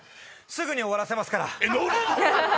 すぐに終わらせますからえっ乗るの？